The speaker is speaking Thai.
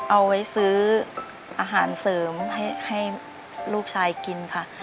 เอาไว้ซื้ออาหารเสริมให้ลูกชายกินค่ะ